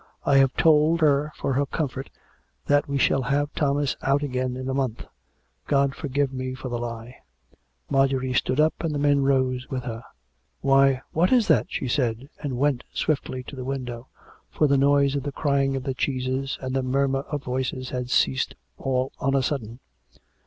I have told her for her comfort that we shall have Thomas out again in a month — God forgive me for the lie!" Marjorie stood up; and the men rose with her. "Why, what is that?" she said; and went swiftly to COME RACK! COME ROPE! 233 tlie window; for the noise of the crying of the cheeses and the murmur of voices had ceased all on a sudden.